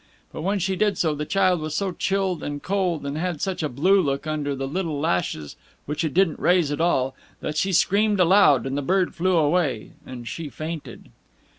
But when she did so, the child was so chilled and cold, and had such a blue look under the little lashes which it didn't raise at all, that she screamed aloud, and the bird flew away, and she fainted.